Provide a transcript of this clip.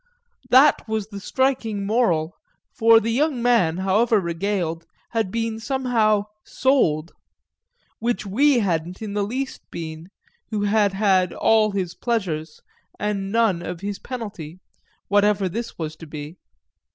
That was the striking moral, for the young man, however regaled, had been somehow "sold"; which we hadn't in the least been, who had had all his pleasures and none of his penalty, whatever this was to be.